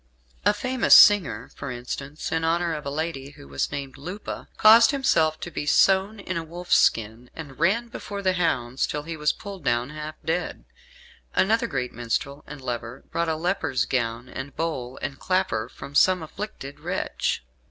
A famous singer, for instance, in honour of a lady who was named Lupa, caused himself to be sewn in a wolf's skin, and ran before the hounds till he was pulled down, half dead. Another great minstrel and lover bought a leper's gown and bowl and clapper from some afflicted wretch.